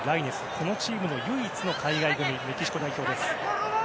このチーム唯一の海外組メキシコ代表です。